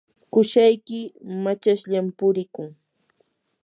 qusayki machashllam purikun.